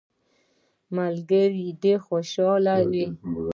ملګري دي خوشحاله وي.